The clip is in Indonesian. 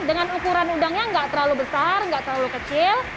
dengan ukuran udangnya tidak terlalu besar tidak terlalu kecil